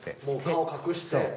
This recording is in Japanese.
もう顔隠して。